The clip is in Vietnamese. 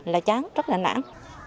là chán rất là nản